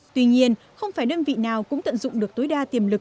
tuy nhiên không phải đơn vị nào cũng tận dụng được tối đa tiềm lực